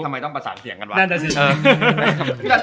ทำไมต้องประสานเสียงกันว่ะ